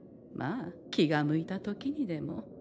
まあ気が向いた時にでも。